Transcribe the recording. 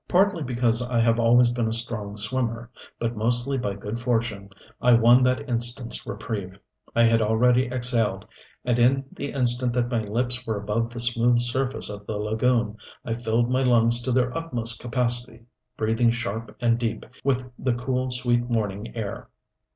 Partly because I have always been a strong swimmer, but mostly by good fortune, I won that instant's reprieve. I had already exhaled; and in the instant that my lips were above the smooth surface of the lagoon I filled my lungs to their utmost capacity, breathing sharp and deep, with the cool, sweet, morning air.